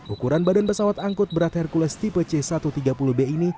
ukuran badan pesawat angkut berat hercules tipe c satu ratus tiga puluh b ini